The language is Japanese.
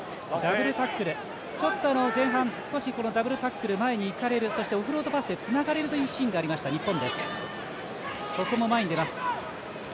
ちょっと前半少しこのダブルタックルオフロードパスで、つながれるというシーンがありました、日本。